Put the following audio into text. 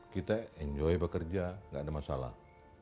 kita enjoy bekerja gak ada masalah